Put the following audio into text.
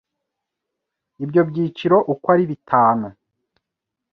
Ibyo byiciro uko ari bitanu